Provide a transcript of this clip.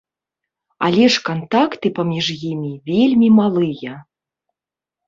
Але ж кантакты паміж імі вельмі малыя.